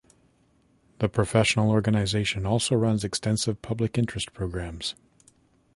The professional organization also runs extensive public interest programs.